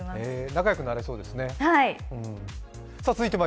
仲良くなれそうですね。